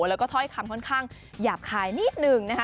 แล้วก็ถ้อยคำค่อนข้างหยาบคายนิดนึงนะคะ